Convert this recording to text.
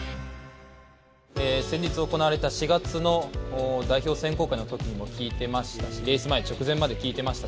先日行われた４月の代表選考会のときにも聴いてましたし、レース前、直前まで聴いてました